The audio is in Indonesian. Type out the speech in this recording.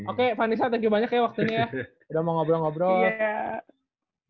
oke vanessa thank you banyak ya waktunya udah mau ngobrol ngobrol